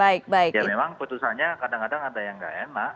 ya memang keputusannya kadang kadang ada yang gak enak